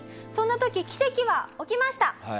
そんな時奇跡は起きました。